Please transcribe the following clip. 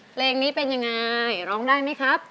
เพลงนี้เป็นยังไงร้องได้ไหมครับ